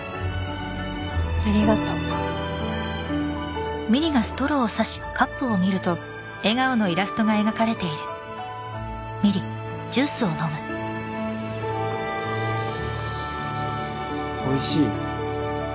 ありがとうおいしい？